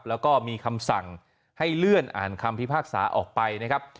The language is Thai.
แล้วก็มีคำสั่งให้เลื่อนอ่านคำพิพากษาออกไปนะครับ